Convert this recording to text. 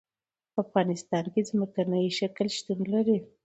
په افغانستان کې ځمکنی شکل شتون لري.